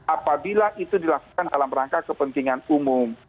apabila itu dilakukan dalam rangka kepentingan umum